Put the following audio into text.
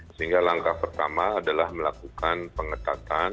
sehingga langkah pertama adalah melakukan pengetatan